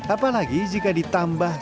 apalagi jika ditambahkan